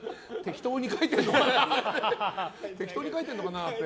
適当に書いてんのかなって。